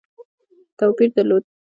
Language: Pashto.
توپیر درلود.